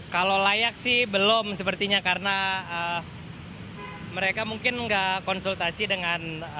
kalau layak sih belum sepertinya karena mereka mungkin nggak konsultasi dengan